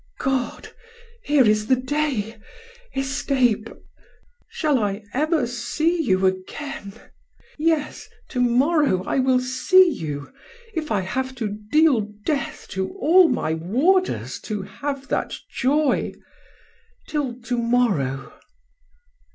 God! here is the day! Escape! Shall I ever see you again? Yes, to morrow I will see you, if I have to deal death to all my warders to have that joy. Till to morrow."